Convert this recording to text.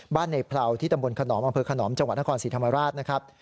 บ้านในเผลาที่ตำบลขนอมอังเภอขนอมจังหวัดนครสิทธิ์ธรรมราชนะครับ